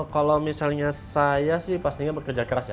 kalau misalnya saya sih pastinya bekerja keras ya